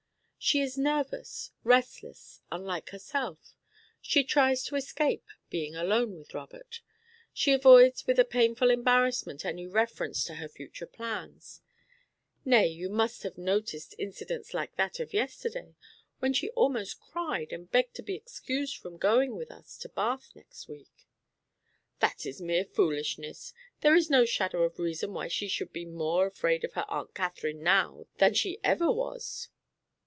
She is nervous, restless, unlike herself; she tries to escape being alone with Robert; she avoids with a painful embarrassment any reference to her future plans; nay, you must have noticed incidents like that of yesterday, when she almost cried and begged to be excused from going with us to Bath next week." "That is mere foolishness; there is no shadow of reason why she should be more afraid of her Aunt Catherine now than she ever was."